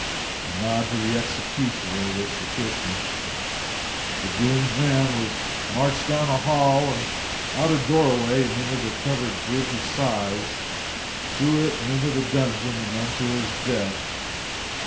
A nod to the executioner was sufficient. The doomed man was marched down a hall and out at a door way into the covered Bridge of Sighs, through it and into the dungeon and unto his death.